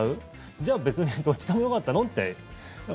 じゃあ別にどっちでもよかったの？って。